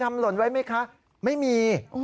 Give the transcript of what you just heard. ไม่มี